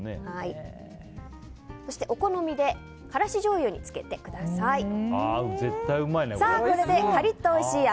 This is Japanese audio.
お好みでからしじょうゆにつけてください。